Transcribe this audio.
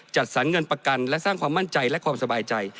จัดสรรเงินประกันและสร้างความมั่นใจและความสบายใจ